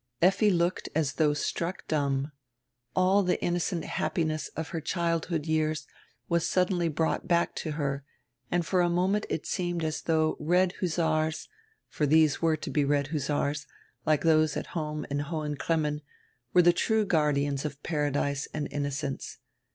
Effi looked as diough struck dumb. All die innocent happiness of her childhood years was suddenly brought back to her and for a moment it seemed as though red hussars — for these were to he red hussars, like those at home in Hohen Cremmen — were die true guardians of Paradise and inno cence.